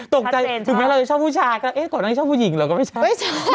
ถึงแม้เราจะชอบผู้ชายก็เอ๊ะก่อนนั้นชอบผู้หญิงเราก็ไม่ชอบ